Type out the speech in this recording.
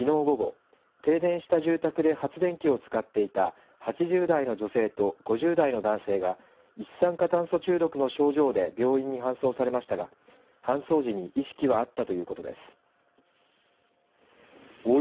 さらに、佐渡市では、きのう午後停電した住宅で発電機を使っていた８０代の女性と５０代の男性が一酸化炭素中毒の症状で病院に搬送されましたが搬送時に意識はあったということです。